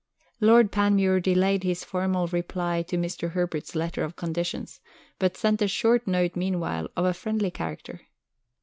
Lord Panmure delayed his formal reply to Mr. Herbert's letter of conditions, but sent a short note meanwhile of a friendly character.